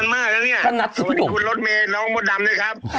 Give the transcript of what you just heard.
นานมากนะเนี้ยขนัดที่พี่หนุ่มทุกคนรถเมนล้องมดดำเนี้ยครับ